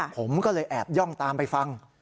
ผมก็เลยแอบย่องตามไปฟัง